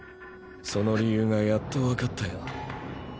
その理由がやっとわかったよ。